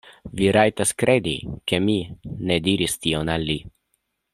Vi rajtas kredi ke mi ne diris tion al li.